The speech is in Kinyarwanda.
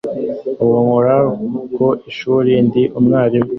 Ubu nkora ku ishuri ndi umwarimu.